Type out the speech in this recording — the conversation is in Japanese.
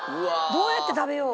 どうやって食べよう。